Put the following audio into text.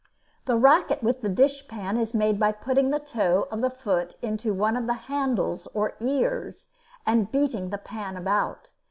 The racket with the dishpan is made by putting the toe of the foot into one of the handles or ears, and beating the pan about.